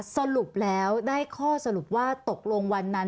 สรุปแล้วได้ข้อสรุปว่าตกลงวันนั้น